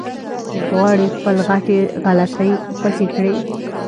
غواړي خپلې غټې غلطۍ پټې کړي.